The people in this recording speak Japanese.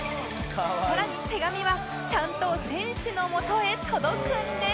さらに手紙はちゃんと選手のもとへ届くんです